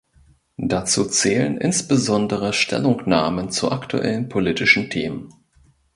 Dazu zählen insbesondere Stellungnahmen zu aktuellen politischen Themen.